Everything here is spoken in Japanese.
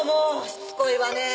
しつこいわね！